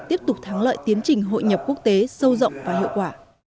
tiếp tục thắng lợi tiến trình hội nhập quốc tế sâu rộng và hiệu quả